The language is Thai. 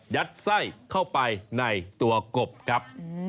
ยัดไส้เข้าไปในตัวกบ